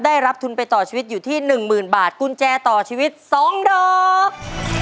ได้รับทุนไปต่อชีวิตอยู่ที่หนึ่งหมื่นบาทกุญแจต่อชีวิตสองดอก